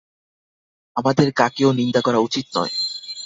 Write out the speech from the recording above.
আমাদের কাকেও নিন্দা করা উচিত নয়।